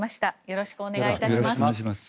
よろしくお願いします。